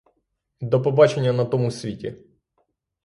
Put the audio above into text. До побачення на тому світі!